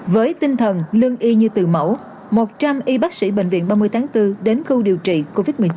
với tinh thần lương y như từ mẫu một trăm linh y bác sĩ bệnh viện ba mươi tháng bốn đến khu điều trị covid một mươi chín